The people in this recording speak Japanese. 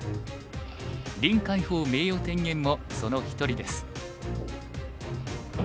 林海峯名誉天元もその一人です。